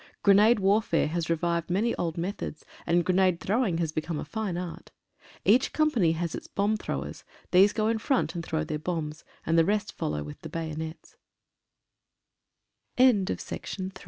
Grenade warfare has revived many old methods, and grenade throwing has become a fine art. Each company has its bomb throwers; these go in front and throw their bombs, and the rest follow with the bayone